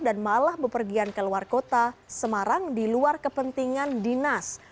dan malah bepergian ke luar kota semarang di luar kepentingan dinas